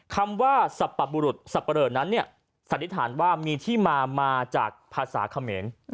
คำว่าสรรพบุรุษสับปะเลอนั้นเนี่ยสันนิษฐานว่ามีที่มามาจากภาษาเขมร